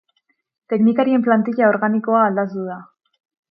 Teknikarien plantilla organikoa aldatu da.